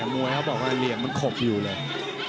มวยเขาบอกว่าเหลี่ยมมันขบอยู่เลย